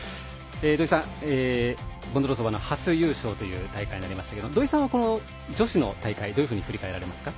土居さん、ボンドロウソバの初優勝という大会になりましたけど土居さんは女子の大会どういうふうに振り返られますか？